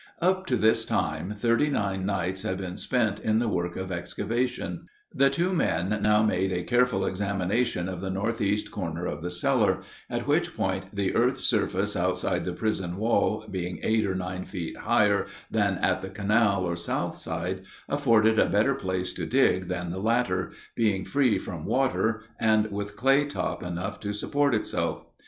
Up to this time thirty nine nights had been spent in the work of excavation. The two men now made a careful examination of the northeast corner of the cellar, at which point the earth's surface outside the prison wall, being eight or nine feet higher than at the canal or south side, afforded a better place to dig than the latter, being free from water and with clay top enough to support itself.